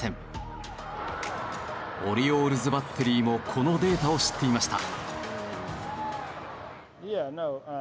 オリオールズバッテリーもこのデータを知っていました。